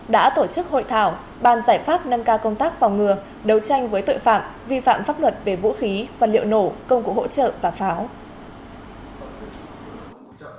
đã tổ chức hội thảo bàn giải pháp nâng cao công tác phòng ngừa đấu tranh với tội phạm vi phạm pháp luật về vũ khí vật liệu nổ công cụ hỗ trợ và pháo